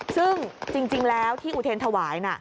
ซึ่งจริงแล้วที่อุเทรนถวายนะ